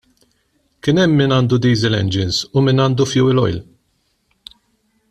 Kien hemm min għandu diesel engines, u min għandu fuel oil.